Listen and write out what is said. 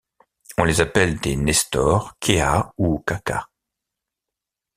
On les appelle des Nestors, Kéa ou Kaka.